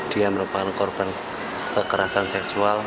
dia merupakan korban kekerasan seksual